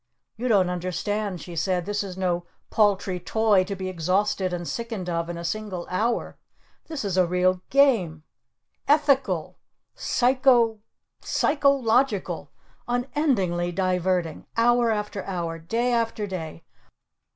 "You don't understand," she said. "This is no paltry Toy to be exhausted and sickened of in a single hour! This is a real Game! Eth ical! Psycho psycho logical! Unendingly diverting! Hour after hour! Day after day!